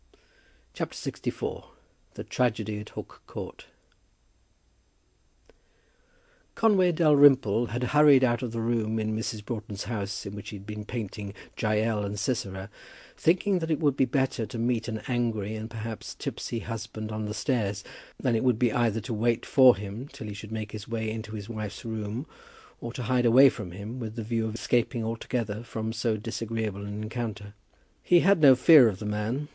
CHAPTER LXIV. THE TRAGEDY IN HOOK COURT. Conway Dalrymple had hurried out of the room in Mrs. Broughton's house in which he had been painting Jael and Sisera, thinking that it would be better to meet an angry and perhaps tipsy husband on the stairs, than it would be either to wait for him till he should make his way into his wife's room, or to hide away from him with the view of escaping altogether from so disagreeable an encounter. He had no fear of the man.